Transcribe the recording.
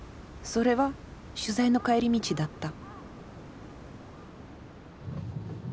それは取材の帰り道だった。